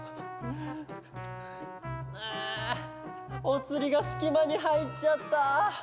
うおつりがすきまにはいっちゃった！